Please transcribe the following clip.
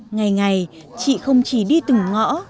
ngày ngày chị không chỉ đi từng ngõ